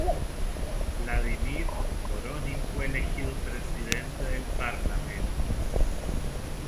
Vladimir Voronin fue elegido presidente del Parlamento.